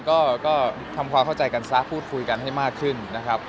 ก็ทำความเข้าใจกันซะพูดคุยกันให้มากขึ้นนะครับ